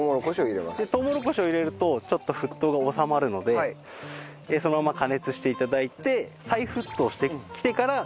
とうもろこしを入れるとちょっと沸騰が収まるのでそのまま加熱して頂いて再沸騰してきてから約３分。